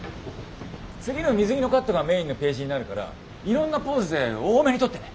次の水着のカットがメインのページになるからいろんなポーズで多めに撮ってね。